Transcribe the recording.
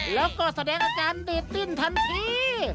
แล้วก็แสดงอาการดี้นทันที